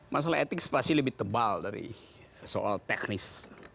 masalah etik pasti lebih tebal dari soal teknis